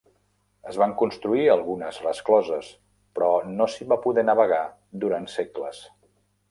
Es van construir algunes rescloses, però no s'hi va poder navegar durant segles.